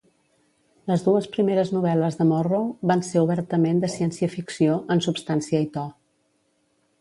Les dues primeres novel·les de Morrow van ser obertament de ciència-ficció en substància i to.